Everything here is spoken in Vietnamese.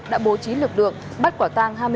đã bố trí lực lượng bắt quả tang